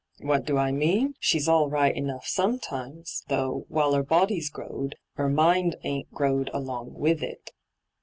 What do I mean ? She's all right enough sometimes, though, while 'er body's growed, 'er mind ain't growed along with it.